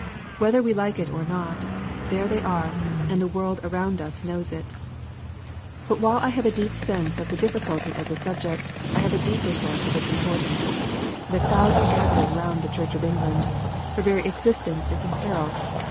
Whether we like it or not, there they are, and the world around us knows it. But while I have a deep sense of the difficulty of the subject, I have a deeper sense of its importance. The clouds are gathering round the Church of England ; her very existence is in peril.